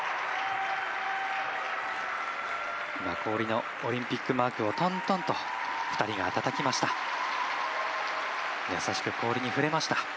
氷のオリンピックマークをとんとんと、２人がたたきました。